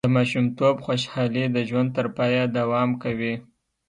د ماشومتوب خوشحالي د ژوند تر پایه دوام کوي.